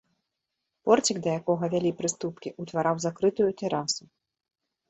Порцік, да якога вялі прыступкі, утвараў закрытую тэрасу.